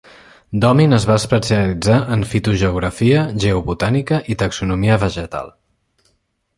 Domin es va especialitzar en fitogeografia, geobotànica i taxonomia vegetal.